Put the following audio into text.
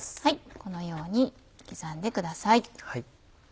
このように刻んでください。